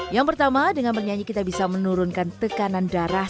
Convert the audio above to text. yang pertama dengan bernyanyi kita bisa menurunkan tekanan darah